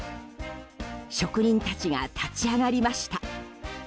職人たちが立ち上がりました。